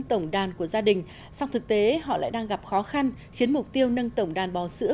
tổng đàn của gia đình song thực tế họ lại đang gặp khó khăn khiến mục tiêu nâng tổng đàn bò sữa